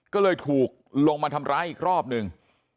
ก็เลยถูกลงมาทำร้ายอีกรอบหนึ่ง